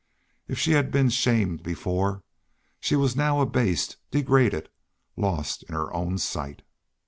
If she had been shamed before, she was now abased, degraded, lost in her own sight.